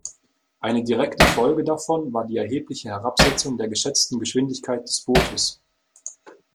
Eine direkte Folge davon war die erhebliche Herabsetzung der geschätzten Geschwindigkeit des Bootes.